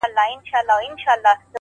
رمې دي د هغه وې اې شپنې د فريادي وې;